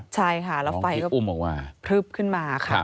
ใช่ค่ะแล้วไฟก็พลึบขึ้นมาค่ะ